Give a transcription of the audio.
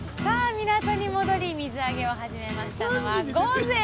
港に戻り水揚げを始めましたのは午前４時！